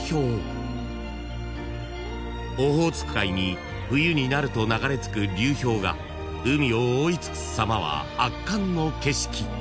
［オホーツク海に冬になると流れ着く流氷が海を覆い尽くすさまは圧巻の景色］